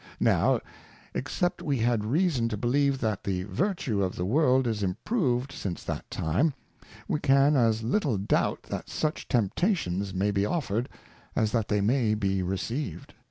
Now, except we had reason to believe that the Vertue of the World is improved since that time, we can as little doubt that such Temptations may be offered, as that they may be receiv'd.